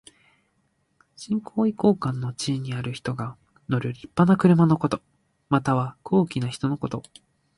身高位高官の地位にある人が乗るりっぱな車のこと。または、高貴な人のこと。